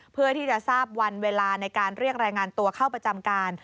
เพื่อที่จะทราบวันเวลาในการเรียกรายงานตัวเข้าประจำการ